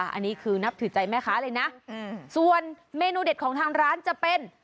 อันนี้คือนับถือใจแม่ค้าเลยนะส่วนเมนูเด็ดของทางร้านจะเป็น